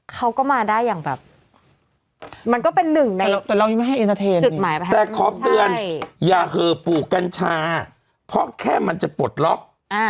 เขาก็มาได้อย่างแบบมันก็เป็นหนึ่งในจุดหมายแต่ขอเตือนอย่าคือปลูกกัญชาเพราะแค่มันจะปลดล็อก